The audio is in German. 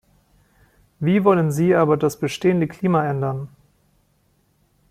Wie wollen Sie aber das bestehende Klima ändern?